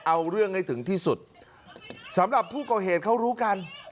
เอาเรื่องให้ถึงที่สุดสำหรับผู้ก่อเหตุเขารู้กัน